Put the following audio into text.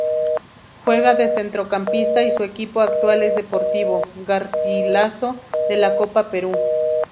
Juega de centrocampista y su equipo actual es Deportivo Garcilaso de la Copa Perú.